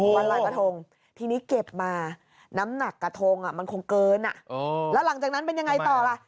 วันลอยกระทงทีนี้เก็บมาน้ำหนักกระทงมันคงเกินแล้วหลังจากนั้นเป็นยังไงต่อล่ะ